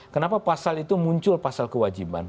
kenapa pasal itu muncul pasal kewajiban